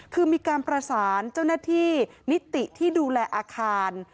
คือมีการประสานเจ้าหน้าที่นิติที่ดูแลอาคาร